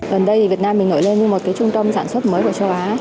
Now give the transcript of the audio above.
gần đây việt nam mình nổi lên như một trung tâm sản xuất mới của châu á